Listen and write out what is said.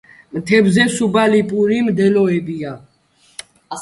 თხემზე სუბალპური მდელოებია.